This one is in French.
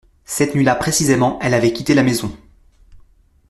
Cette nuit-là précisément elle avait quitté la maison.